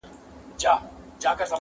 او د اعتیاد پړه یې -